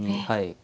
はい。